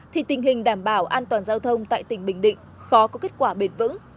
thì tình hình đảm bảo an toàn giao thông tại tỉnh bình định khó có kết quả bền vững